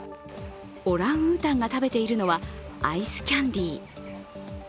オランウータンが食べているのはアイスキャンディー。